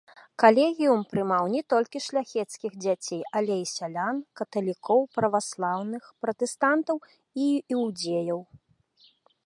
Калегіум прымаў не толькі шляхецкіх дзяцей, але і сялян, каталікоў, праваслаўных, пратэстантаў і іўдзеяў.